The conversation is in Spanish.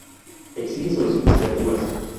Exigen soluciones creativas.